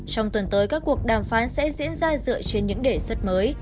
trong tuần tới các cuộc đàm phán sẽ diễn ra dựa trên những đề xuất mới